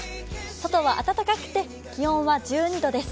外は暖かくて気温は１２度です。